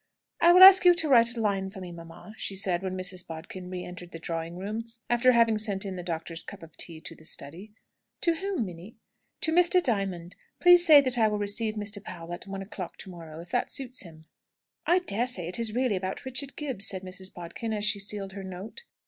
"I will ask you to write a line for me, mamma," she said, when Mrs. Bodkin re entered the drawing room, after having sent in the doctor's cup of tea to the study. "To whom, Minnie?" "To Mr. Diamond. Please say that I will receive Mr. Powell at one o'clock to morrow, if that suits him." "I daresay it is really about Richard Gibbs," said Mrs. Bodkin, as she sealed her note.